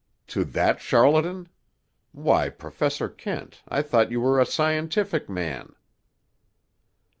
"To that charlatan? Why, Professor Kent, I thought you were a scientific man."